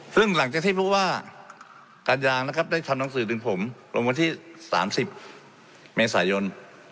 ซึ่งหลังจากที่รู้ว่าการยางนะครับได้ทำหนังสือถึงผมลงวันที่๓๐เมษายน